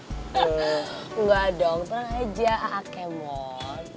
tuh enggak dong tenang aja kemon